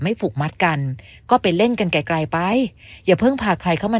ผูกมัดกันก็ไปเล่นกันไกลไกลไปอย่าเพิ่งพาใครเข้ามา